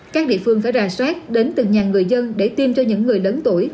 các địa phương phải rà soát đến từng nhà người dân để tiêm cho những người lớn tuổi